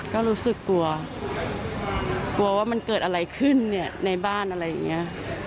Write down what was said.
ก็รู้สึกกลัวกลัวว่ามันเกิดอะไรขึ้นเนี่ยในบ้านอะไรอย่างนี้